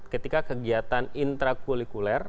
ketika kegiatan intra kulikuler